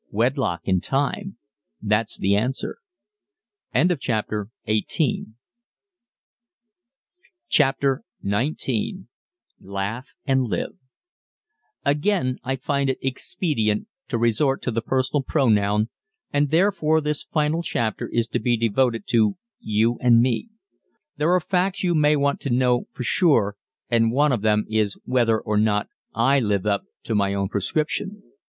Wedlock in time that's the answer! CHAPTER XIX LAUGH AND LIVE Again I find it expedient to resort to the personal pronoun and therefore this final chapter is to be devoted to "you and me." There are facts you may want to know for sure and one of them is whether or not I live up to my own prescription.